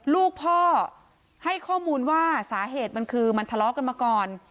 ลูกพ่อให้ข้อมูลว่าสาเหตุมันคือมันทะเลาะกันมาก่อน